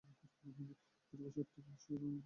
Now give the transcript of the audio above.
দীর্ঘ সাতটি বছর পরে নয়ন ভরে মক্কার চতুর্দিক দেখেন।